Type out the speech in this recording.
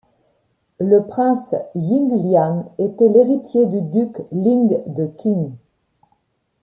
Le prince Ying Lian était l'héritier du duc Ling de Qin.